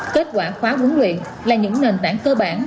kết quả khóa huấn luyện là những nền tảng cơ bản